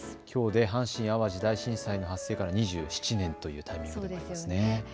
きょうで阪神・淡路大震災の発生から２７年というタイミングですよね。